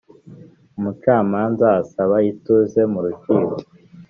umucamanza asaba ituze mu rukiko